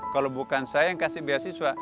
kalau bukan saya yang kasih beasiswa